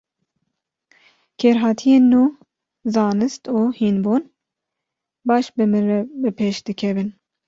Kêrhatiyên nû, zanist û hînbûn, baş bi min re bi pêş dikevin.